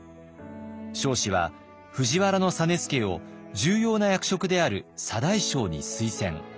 彰子は藤原実資を重要な役職である左大将に推薦。